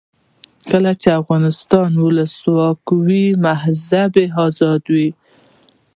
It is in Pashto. کله چې افغانستان کې ولسواکي وي مذهبي آزادي وي.